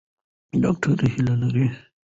ډاکټره هیله لري.